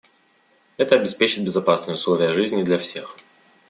Это обеспечит безопасные условия жизни для всех.